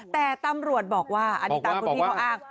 แต่ตำรวจบอกว่าอันนี้ตามคุณพี่เขาอ้าง